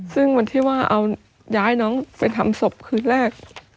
ซึ่งวันที่ว่าเอาย้ายน้องไปทำศพคืนแรก